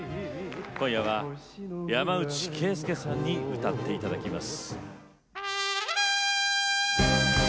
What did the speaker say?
今夜は山内惠介さんに歌っていただきます。